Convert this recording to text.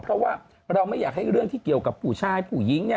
เพราะว่าเราไม่อยากให้เรื่องที่เกี่ยวกับผู้ชายผู้หญิง